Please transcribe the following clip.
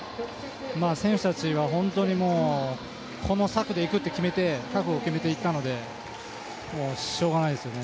選手たちは本当にこの策でいくって決めて覚悟を決めていったのでしょうがないですね。